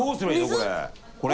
これ。